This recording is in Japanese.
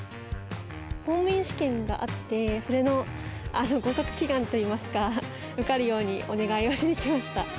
公務員試験があって、それの合格祈願といいますか、受かるようにお願いをしに来ました。